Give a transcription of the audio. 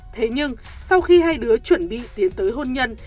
thế nhưng sau khi hai đứa chuẩn bị tiến tới hôn nhân